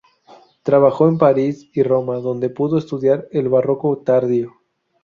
Trabajó en París y Roma, donde pudo estudiar el barroco tardío.